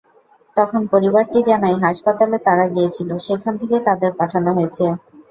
তখন পরিবারটি জানায় হাসপাতালে তারা গিয়েছিল, সেখান থেকেই তাদের পাঠানো হয়েছে।